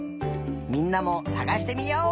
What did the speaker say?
みんなもさがしてみよう！